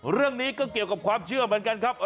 เรื่องนี้ก็เกี่ยวกับความเชื่อเหมือนกันครับ